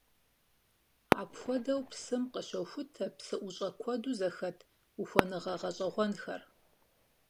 Апхуэдэу псым къыщохутэ псыӀущӀэ куэду зэхэт ухуэныгъэ гъэщӀэгъуэнхэр.